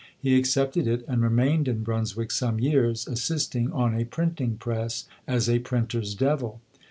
He accepted it and remained in Brunswick some years, assisting on a printing press as a "printer's devil".